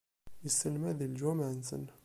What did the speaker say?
Isselmad di leǧwameɛ-nsen.